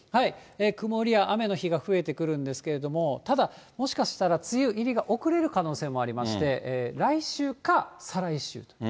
曇りや雨の日が増えてくるんですけれども、ただ、もしかしたら梅雨入りが遅れる可能性もありまして、来週か再来週と。